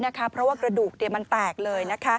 เพราะว่ากระดูกมันแตกเลย